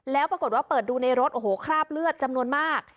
แล้วปรากฏว่าเปิดดูในรถโอ้โหคราบเลือดจำนวนมาก